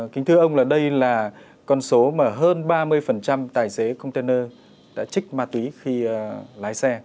kính thưa ông là đây là con số mà hơn ba mươi tài xế container đã trích ma túy khi lái xe